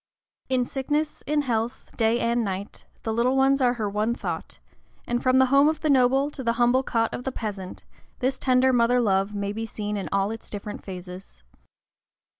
In sickness, in health, day and night, the little ones are her one thought; and from the home of the noble to the humble cot of the peasant, this tender mother love may be seen in all its different phases.